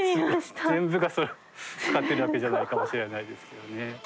全部がそれを使ってるわけじゃないかもしれないですけどね。